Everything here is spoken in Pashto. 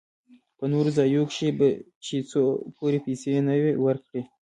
په نورو ځايو کښې به چې څو پورې پيسې يې نه وې ورکړې.